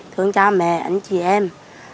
thương cha mẹ anh chị em